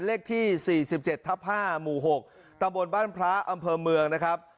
เลขที่สี่สิบเจ็ดทับห้าหมู่หกตำบนบ้านพระอำเภอเมืองนะครับ